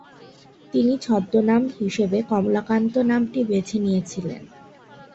তিনি ছদ্মনাম হিসেবে কমলাকান্ত নামটি বেছে নিয়েছিলেন।